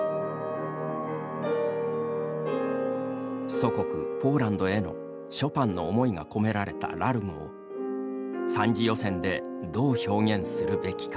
祖国ポーランドへのショパンの思いが込められた「ラルゴ」を３次予選で、どう表現するべきか。